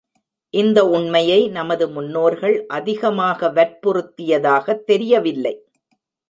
இந்த உண்மையை நமது முன்னோர்கள் அதிகமாக வற்புறுத்தியதாகத் தெரியவில்லை.